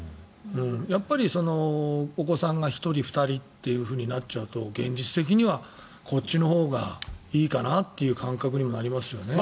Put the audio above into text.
やっぱりお子さんが１人、２人というふうになっちゃうと現実的にはこっちのほうがいいかなという感覚にもなりますよね。